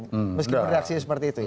meskipun reaksi seperti itu ya